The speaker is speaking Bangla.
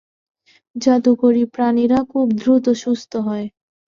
জাদুকরী প্রাণীরা খুব দ্রুত সুস্থ হয়।